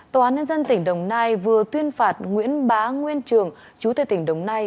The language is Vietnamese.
tòa án nhân dân tỉnh đồng nai vừa tuyên phạt nguyễn bá nguyên trường chú tây tỉnh đồng nai